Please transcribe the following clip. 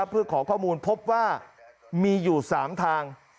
เพื่อขอข้อมูลพบว่ามีอยู่๓ทาง